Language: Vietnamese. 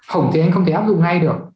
hổng thì anh không thể áp dụng ngay được